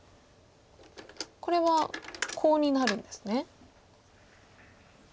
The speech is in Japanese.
これはコウになるんですね。